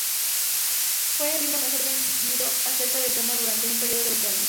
Fue el libro mejor vendido acerca del tema durante un periodo de veinte años.